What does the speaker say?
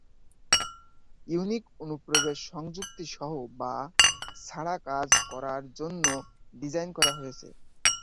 ইউনিটটি অনুপ্রবেশ সংযুক্তি সহ বা ছাড়া কাজ করার জন্য ডিজাইন করা হয়েছে।